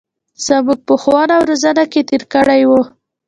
زمـوږ په ښـوونه او روزنـه کـې تېـر کـړى و.